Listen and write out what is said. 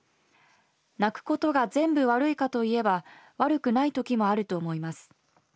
泣くことが全部悪いかと言えば悪くないときもあると思います。